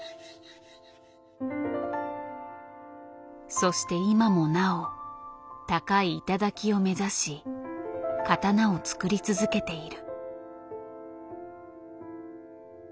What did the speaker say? そして今もなお高い頂を目指し刀を作り続けている。